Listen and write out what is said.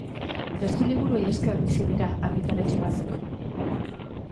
Testuliburuei esker bizi dira argitaletxe batzuk.